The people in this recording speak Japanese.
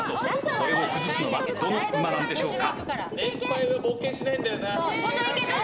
これを崩すのはどのうまなんでしょうか。